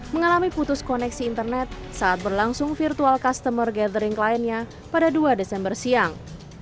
mengalami putus koneksi internet saat berlangsung virtual customer gathering kliennya pada dua desember siang